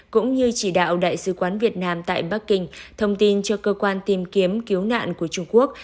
cũng như chỉ đạo đại sứ quán việt nam tại bắc kinh thông tin cho cơ quan tìm kiếm cứu nạn của trung quốc